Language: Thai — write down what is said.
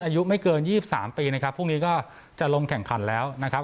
อายุไม่เกิน๒๓ปีนะครับพรุ่งนี้ก็จะลงแข่งขันแล้วนะครับ